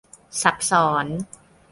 ซับซ้อน